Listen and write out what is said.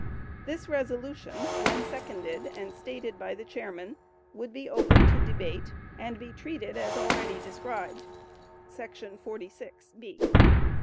This resolution, when seconded, and stated by the chairman, would be open to debate and be treated as already described [§ 46, (b)].